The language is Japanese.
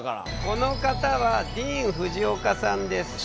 この方はディーン・フジオカさんです。